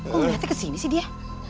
kok berarti kesini sih dia